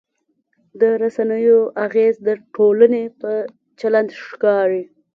د رسنیو اغېز د ټولنې په چلند ښکاري.